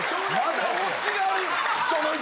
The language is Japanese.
まだ欲しがる。